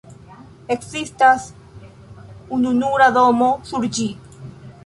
Ekzistas ununura domo sur ĝi.